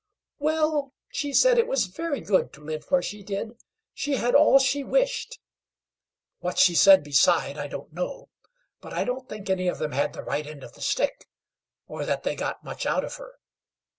Well, she said, it was very good to live where she did; she had all she wished. What she said beside I don't know, but I don't think any of them had the right end of the stick, or that they got much out of her.